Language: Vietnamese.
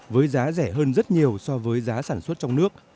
với giá rẻ hơn rất nhiều so với giá sản xuất trong nước